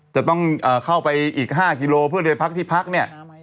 จะต้องเข้าไปอีก๕กิโลเพื่อไปพักที่พักเนี่ย